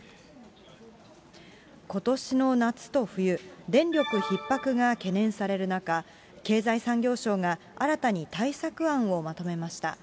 ことしの夏と冬、電力ひっ迫が懸念される中、経済産業省が新たに対策案をまとめました。